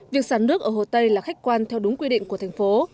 việc xả nước ở hồ tây là khách quan theo đúng quy định của thành phố